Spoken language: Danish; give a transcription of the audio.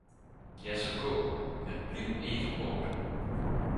Ja så gå, men bliv ikke borte!